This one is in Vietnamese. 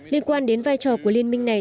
liên quan đến vai trò của liên minh này